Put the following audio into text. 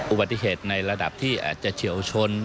อุบัติเหตุในระดับที่อาจจะเฉียวชน